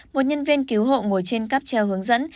một nhân viên cứu hộ ngồi trên cắp treo hướng dẫn